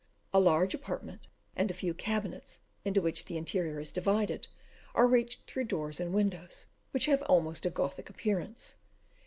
A large apartment and a few cabinets, into which the interior is divided, are reached through doors and windows which have almost a Gothic appearance.